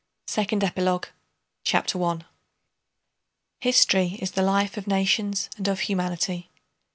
SECOND EPILOGUE CHAPTER I History is the life of nations and of humanity.